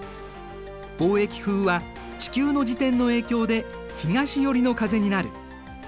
貿易風は地球の自転の影響で東寄りの風になる。